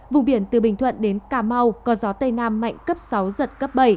vùng biển từ bình thuận đến cà mau có gió tây nam mạnh cấp sáu giật cấp bảy